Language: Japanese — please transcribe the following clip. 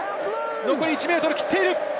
残り１ｍを切っている。